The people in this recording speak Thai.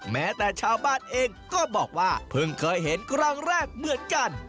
แม้แต่ชาวบ้านเองก็บอกว่าเพิ่งเคยเห็นครั้งแรกเหมือนกัน